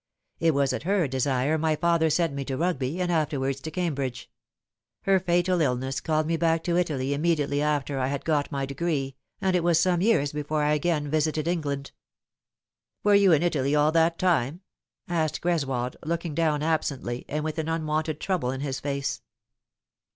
It was at her desire my father sent me to Rugby, and afterwards to Cambridge. Her fatal illness called me back to Italy immediately after I had got my degree, &nd it was some years before I again visited England." " Were you in Italy all that time ?" asked Greswold, looking down absently, and with an unwonted trouble in his face.